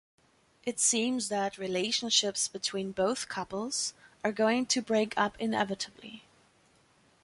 It seems that the relationships between both couples are going to break up inevitably.